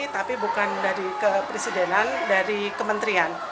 tapi bukan dari kepresidenan dari kementerian